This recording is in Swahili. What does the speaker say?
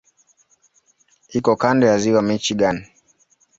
Iko kando ya Ziwa Michigan.